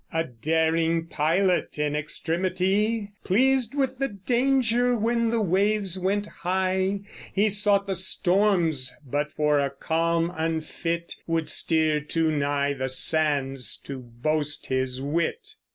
A daring pilot in extremity, Pleased with the danger, when the waves went high He sought the storms: but for a calm unfit, Would steer too nigh the sands to boast his wit.